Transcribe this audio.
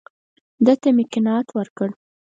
ده ته مې قناعت ورکړ.